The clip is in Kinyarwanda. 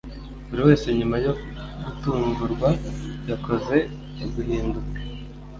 Buriwese nyuma yo gutungurwa yakoze Uguhinduka